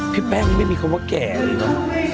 พี่แป๊งไม่มีคำว่าแก่เลยเนอะ